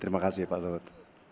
terima kasih pak luhut